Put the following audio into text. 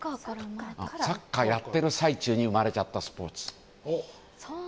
サッカーやってる最中に生まれちゃったスポーツ。